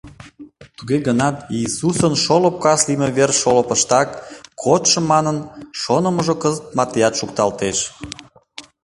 Туге гынат Иисусын шолып кас лийме вер шолыпыштак кодшо манын шонымыжо кызыт мартеат шукталтеш.